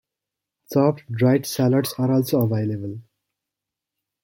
Chopped, dried shallots are also available.